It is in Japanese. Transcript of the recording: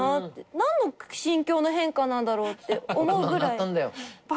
何の心境の変化なんだろうって思うぐらい爆